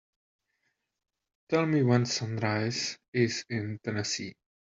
Tell me when sunrise is in Tennessee